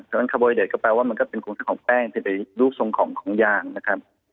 เพราะฉะนั้นคาร์โบไฮเดสก็แปลว่ามันก็เป็นโครงสร้างของแป้งเป็นเป็นรูปทรงของของยางนะครับ